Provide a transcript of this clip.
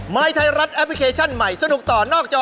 ยไทยรัฐแอปพลิเคชันใหม่สนุกต่อนอกจอ